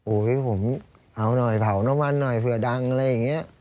ผมเอาหน่อยเผาน้ำมันหน่อยเผื่อดังอะไรอย่างนี้